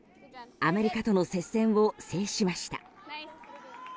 アメリカとの接戦を制しました。